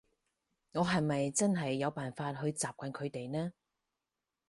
我係咪真係有辦法去習慣佢哋呢？